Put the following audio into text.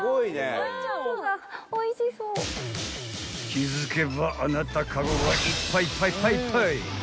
［気付けばあなたカゴがいっぱいぱいぱいぱい］